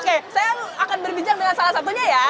oke saya akan berbincang dengan salah satunya ya